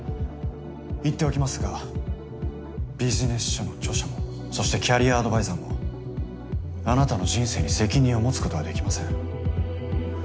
言っておきますがビジネス書の著者もそしてキャリアアドバイザーもあなたの人生に責任を持つことはできません。